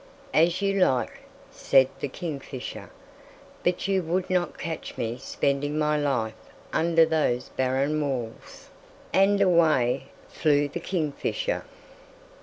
"As you like," said the kingfisher, "but you would not catch me spending my life under those barren walls," and away flew the kingfisher.